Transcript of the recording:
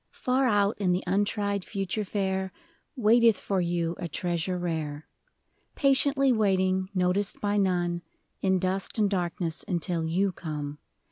AR out in the untried future fair Waiteth for you a treasure rare ; Patiently waiting, noticed by none, In dust and darkness until you come.